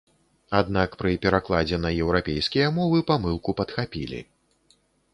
Аднак пры перакладзе на еўрапейскія мовы памылку падхапілі.